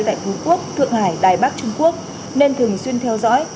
tại phú quốc thượng hải đài bắc trung quốc nên thường xuyên theo dõi